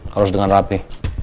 harus dengan rapi